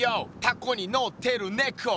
タコにのってるねこ」